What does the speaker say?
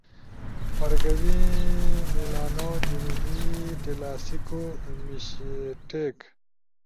مرکزی میلانؤ، جنوبی ٹیلاسیکو میشٹیک